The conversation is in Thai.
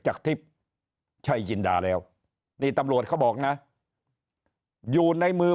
จากทิพย์ชัยจินดาแล้วนี่ตำรวจเขาบอกนะอยู่ในมือ